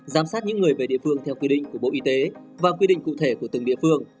giám sát những người về địa phương theo quy định của bộ y tế và quy định cụ thể của từng địa phương